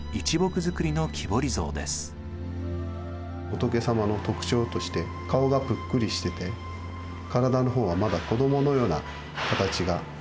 仏様の特徴として顔がぷっくりしてて体の方はまだ子どものような形が分かると思います。